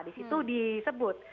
di situ disebut